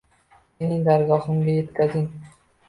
Mening dargohimga yetkazing